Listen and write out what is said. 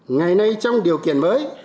ngày nay trong điều kiện mới